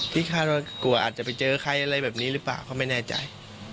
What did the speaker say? ที่คาดว่ากลัวอาจจะไปเจอใครอะไรแบบนี้หรือเปล่าก็ไม่แน่ใจ